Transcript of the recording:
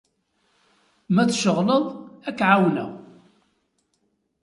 Ma tceɣleḍ, ad k-εawneɣ.